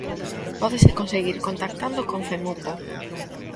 Pódese conseguir contactando con Femupo.